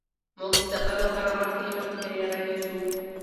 موږ د سفر لپاره مخکې له مخکې تیاری نیسو.